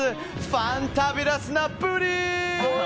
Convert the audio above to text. ファンタビラスなブリ！